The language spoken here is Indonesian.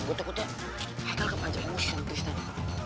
gua takutnya haikal kepanjang emosional tristan